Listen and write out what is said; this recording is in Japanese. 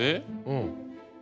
うん。